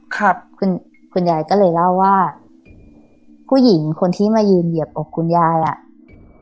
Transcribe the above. ครับคุณคุณยายก็เลยเล่าว่าผู้หญิงคนที่มายืนเหยียบอกคุณยายอ่ะ